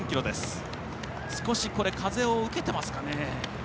少し、風を受けてますかね。